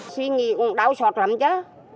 suy nghĩ cũng đau sọt lắm chứ